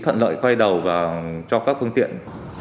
thận lợi quay đầu cho các phương tiện